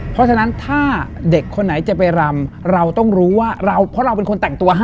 เพราะฉะนั้นถ้าเด็กคนไหนจะไปรำเราต้องรู้ว่าเราเพราะเราเป็นคนแต่งตัวให้